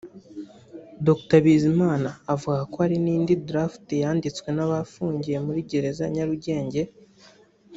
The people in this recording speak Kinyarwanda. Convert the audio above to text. Dr Bizimana avuga ko hari n’indi ‘draft’ yanditswe n’abafungiye muri gereza ya Nyarugenge